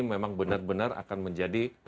memang benar benar akan menjadi